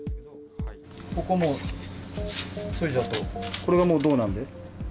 ここも、そいじゃうとこれがもう、銅なんで。